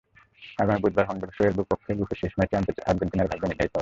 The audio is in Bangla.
আগামী বুধবার হন্ডুরাসের বিপক্ষে গ্রুপের শেষ ম্যাচেই আর্জেন্টিনার ভাগ্য নির্ধারিত হবে।